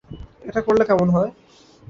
এটা করলে কেমন হয়?